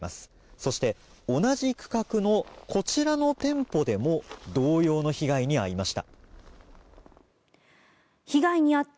そして同じ区画のこちらの店舗でも同様の被害に遭いました。